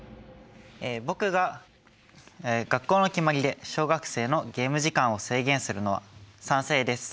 僕が学校の決まりで小学生のゲーム時間を制限するのは賛成です。